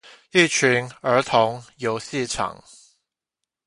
育群兒童遊戲場